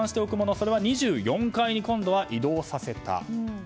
それは２４階に移動させた。